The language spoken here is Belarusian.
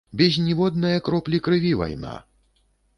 Без ніводнае кроплі крыві вайна!